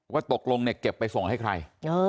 ว่าตกลงเนี่ยเก็บไปส่งให้ใคร